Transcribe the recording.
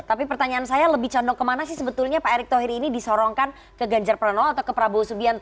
tapi pertanyaan saya lebih condong kemana sih sebetulnya pak erick thohir ini disorongkan ke ganjar pranowo atau ke prabowo subianto